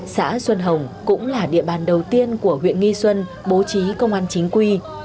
xã xuân hồng cũng là địa bàn đầu tiên của huyện nghi xuân bố trí công an chính quy